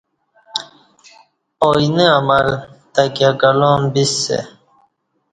آئینہ عمل تکیہ کلام بیسہ